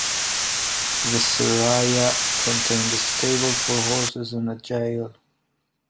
The Seraya contained a stable for horses and a jail.